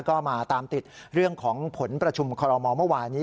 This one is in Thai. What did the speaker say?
ก็มาตามติดเรื่องของผลประชุมคอรมอลเมื่อวานนี้